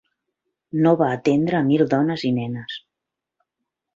No va atendre a mil dones i nenes.